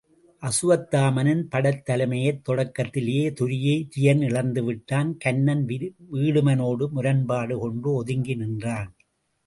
அசுவத்தாமனின் படைத்தலைமை யைத் தொடக்கத்திலேயே துரியன் இழந்து விட்டான் கன்னன் வீடுமனோடு முரண்பாடு கொண்டு ஒதுங்கி நின்றான்.